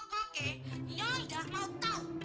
pokoknya yang gak mau tahu